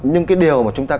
nhưng cái điều mà chúng ta